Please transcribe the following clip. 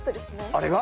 あれが？